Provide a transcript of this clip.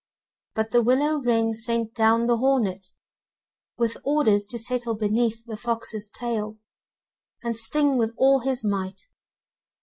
But the willow wren sent down the hornet, with orders to settle beneath the fox's tail, and sting with all his might.